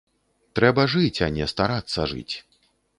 Трэба жыць, а не старацца жыць.